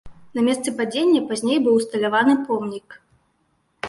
На месцы падзення пазней быў усталяваны помнік.